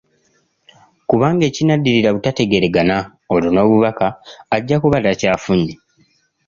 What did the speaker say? Kubanga ekinaddirira butategeeragana, olwo n’obubaka ajja kuba takyafunye.